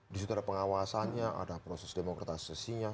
di situ ada pengawasannya ada proses demokratisasinya